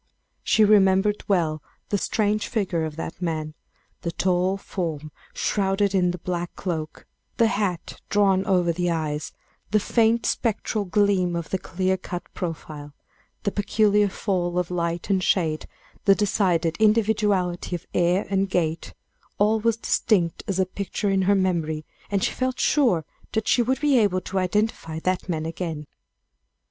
She remembered well the strange figure of that man the tall form shrouded in the black cloak the hat drawn over the eyes the faint spectral gleam of the clear cut profile the peculiar fall of light and shade, the decided individuality of air and gait all was distinct as a picture in her memory, and she felt sure that she would be able to identify that man again.